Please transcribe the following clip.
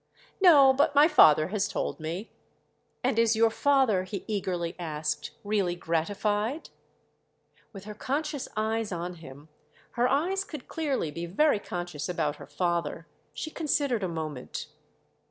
"No, but my father has told me." "And is your father," he eagerly asked, "really gratified?" With her conscious eyes on him—her eyes could clearly be very conscious about her father—she considered a moment.